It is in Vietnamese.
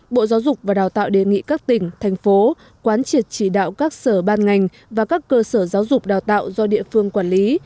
bộ giáo dục và đào tạo đề nghị các tỉnh thành phố quán triệt chỉ đạo các sở ban ngành và các cơ sở giáo dục đào tạo do địa phương quản lý